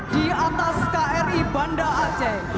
di atas kri banda aceh